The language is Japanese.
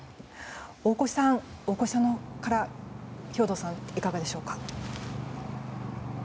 大越さんから兵頭さん、いかがでしょうか。